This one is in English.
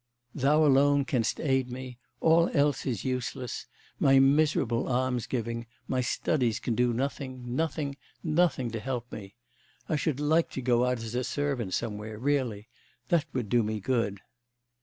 Thou alone canst aid me, all else is useless; my miserable alms giving, my studies can do nothing, nothing, nothing to help me. I should like to go out as a servant somewhere, really; that would do me good.